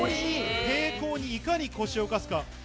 平行に、いかに腰を動かすか。